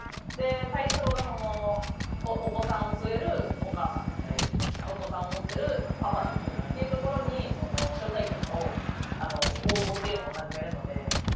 対象がお子さんを連れるお母さんだったりお子さんを持ってるパパだったりっていうところに招待券を応募っていうのを始めるので。